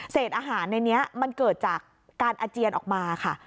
อาหารในนี้มันเกิดจากการอาเจียนออกมาค่ะ